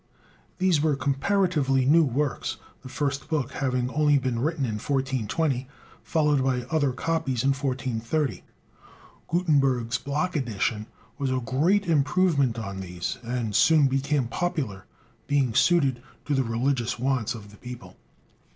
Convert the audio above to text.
These were comparatively new works, the first book having only been written in 1420, followed by other copies in 1430. Gutenberg's block edition was a great improvement on these, and soon became popular, being suited to the religious wants of the people.